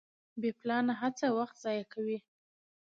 بې پلانه هڅه وخت ضایع کوي.